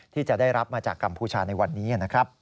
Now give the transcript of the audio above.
ที่จะได้รับมาจากกัมพูชาในวันนี้นะครับ